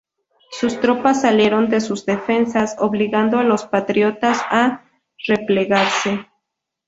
Sus tropas salieron de sus defensas, obligando a los patriotas a replegarse.